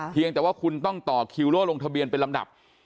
เพียงแต่ว่าคุณต้องต่อโลกเทอมวิชาชินที่หลังดับ